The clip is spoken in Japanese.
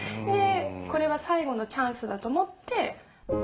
でこれは最後のチャンスだと思って。